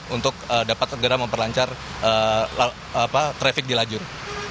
untuk dapat segera memperlancar traffic di lajur